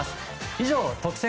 以上、特選！！